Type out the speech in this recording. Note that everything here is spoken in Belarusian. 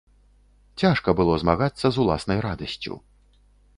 Цяжка было змагацца з уласнай радасцю.